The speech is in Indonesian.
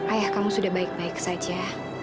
ayah kamu sudah baik baik saja